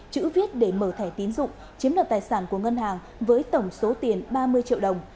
chữ viết để mở thẻ tín dụng chiếm đoạt tài sản của ngân hàng với tổng số tiền ba mươi triệu đồng